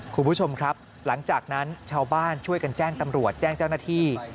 คุณผู้ชมครับหลังจากนั้นชาวบ้านช่วยกันแจ้งตำรวจแจ้งเจ้าหน้าที่